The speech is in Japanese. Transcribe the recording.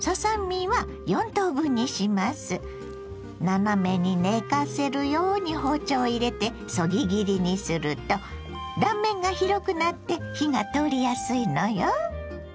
斜めに寝かせるように包丁を入れてそぎ切りにすると断面が広くなって火が通りやすいのよ。